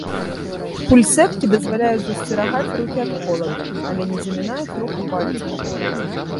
Пульсэткі дазваляюць засцерагаць рукі ад холаду, але не замінаюць руху пальцаў.